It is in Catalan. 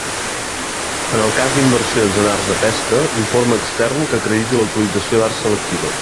En el cas d'inversions en arts de pesca, informe extern que acrediti la utilització d'arts selectives.